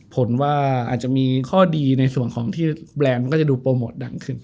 ผลว่าอาจจะมีข้อดีในส่วนของที่แบรนด์มันก็จะดูโปรโมทดังขึ้น